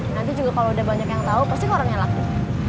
nanti juga kalo udah banyak yang tau pasti korangnya laku